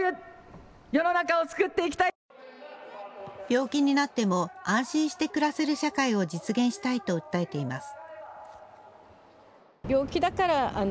病気になっても安心して暮らせる社会を実現したいと訴えています。